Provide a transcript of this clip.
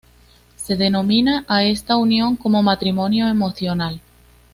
Se denomina a esta unión como "matrimonio emocional".